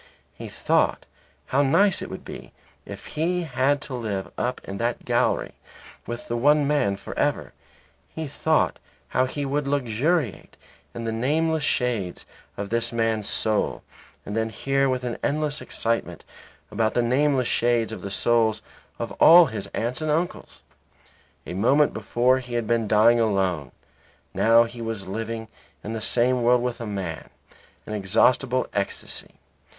He thought how nice it would be if he had to live up in that gallery with that one man for ever. He thought how he would luxuriate in the nameless shades of this man's soul and then hear with an endless excitement about the nameless shades of the souls of all his aunts and uncles. A moment before he had been dying alone. Now he was living in the same world with a man; an inexhaustible ecstasy.